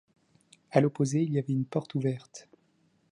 À l’opposé il y avait une porte ouverte.